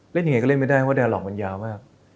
เล่นยังไงก็เล่นไม่ได้เพราะว่าไดอารอลอกมันยาวมาก